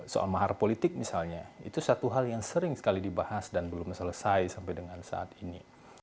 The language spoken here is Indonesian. soal mahar politik misalnya itu satu hal yang sering sekali dibahas dan belum selesai sampai dengan saat ini